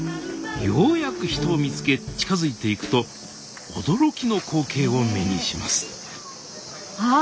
ようやく人を見つけ近づいていくと驚きの光景を目にしますあっ！